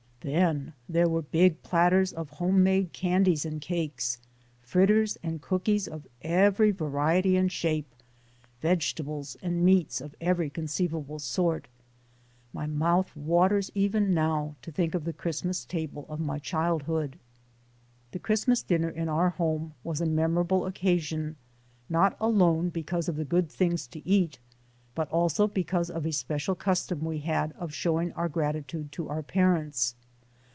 Then there were big platters of home made candies and cakes, fritters and cookies of every variety and shape, vegetables and meats of every conceivable sort my mouth waters even now to think of the Christmas table of my childhood. The Christmas dinner in our home was a memor able occasion not alone because of the good things to eat, but also because of a special custom we had of showing our gratitude to our parents.